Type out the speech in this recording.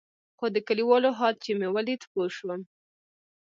خو د كليوالو حال چې مې ولېد پوه سوم.